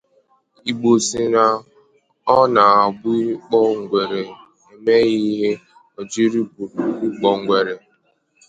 Igbo sị na ọ na-abụ ịkpọ ngwere emeghị ihe o jiri bụrụ ịkpọ ngwere